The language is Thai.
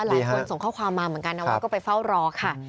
ส่งข้อความมาเหมือนกันนะว่าก็ไปเฝ้ารอค่ะ